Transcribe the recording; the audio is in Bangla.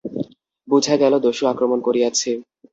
বুঝা গেল, দস্যু আক্রমণ করিয়াছে।